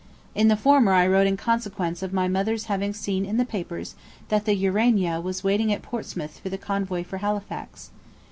To the former I wrote in consequence of my mother's having seen in the papers that the "Urania" was waiting at Portsmouth for the convoy for Halifax.